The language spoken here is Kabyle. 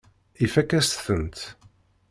Ifakk-as-tent.